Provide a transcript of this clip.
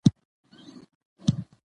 افغانستان له دغو لوړو غرونو ډک دی.